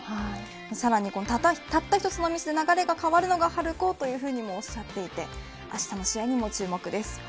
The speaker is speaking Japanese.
さらにたった一つのミスで流れが変わるのが春高というふうにもおっしゃっていてあしたの試合にも注目です。